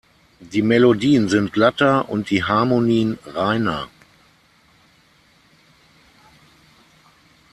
Die Melodien sind glatter und die Harmonien reiner.